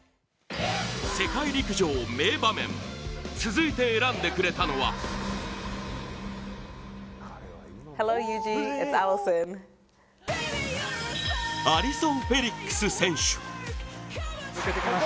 世界陸上名場面続いて選んでくれたのはアリソン・フェリックス選手。